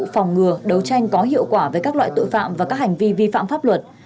phòng ngừa đấu tranh có hiệu quả với các loại tội phạm và các hành vi vi phạm pháp luật